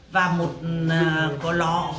và một lọ